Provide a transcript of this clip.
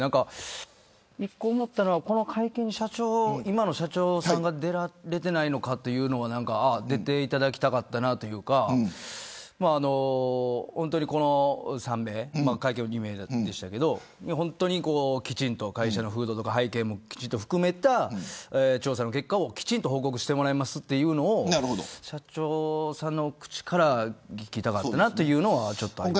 この会見に今の社長が出ていないというのが出ていただきたかったなというかこの３名はきちんと会社の風土とか背景も含めた調査の結果をきちんと報告してもらいますというのを社長さんの口から聞きたかったなというのはあります。